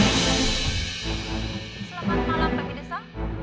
malam ini telah menjadi kecelakaan